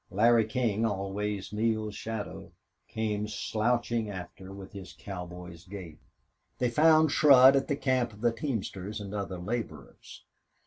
Larry King, always Neale's shadow, came slouching after with his cowboy's gait. They found Shurd at the camp of the teamsters and other laborers.